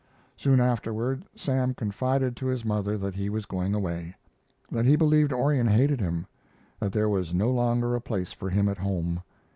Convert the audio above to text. Soon afterward Sam confided to his mother that he was going away; that he believed Orion hated him; that there was no longer a place for him at home.